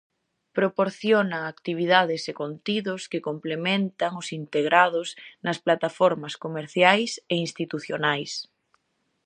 Proporcionan actividades e contidos que complementan os integrados nas plataformas comerciais e institucionais.